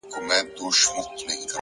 هره تجربه د شخصیت نوې کرښه رسموي,